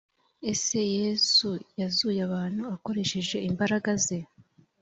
ese yesu yazuye abantu akoresheje imbaraga ze